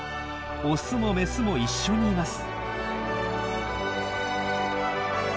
オスもメスも一緒にいます。